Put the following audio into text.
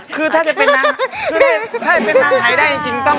คือถ้าจะเป็นนางไหน